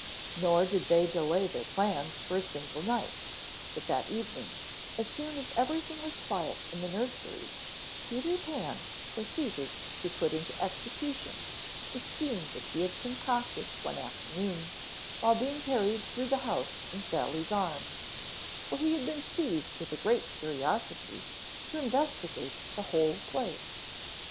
Nor did they delay their plans for a single night, but that evening, as soon as everything was quiet in the nursery, Peter Pan proceeded to put into execution the scheme that he had concocted one afternoon, while being carried through the house in Sally's arms, when he had been seized with a great curiosity to investigate the whole place.